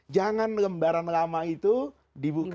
jangan lembaran lama itu dibuka